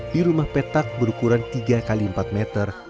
di rumah petak berukuran tiga x empat meter